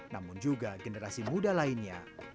namun juga generasi muda lainnya